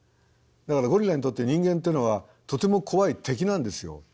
だからゴリラにとって人間というのはとても怖い敵なんですよ。